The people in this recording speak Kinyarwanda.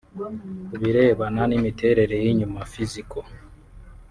Ku birebana n’imiterere y’inyuma (Physical)